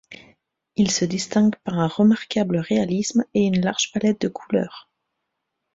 Ils se distinguent par un remarquable réalisme et une large palette de couleurs.